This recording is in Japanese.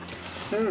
うん！